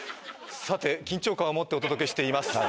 さて緊張感を持ってお届けしています